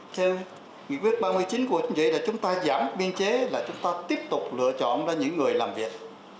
theo nghị quyết ba mươi chín của chính như vậy là chúng ta giảm biên chế là chúng ta tiếp tục lựa chọn ra những người làm việc